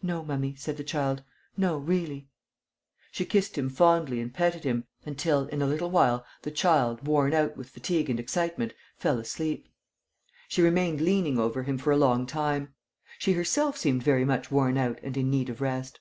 "No, mummy," said the child. "No, really." She kissed him fondly and petted him, until, in a little while, the child, worn out with fatigue and excitement, fell asleep. She remained leaning over him for a long time. She herself seemed very much worn out and in need of rest.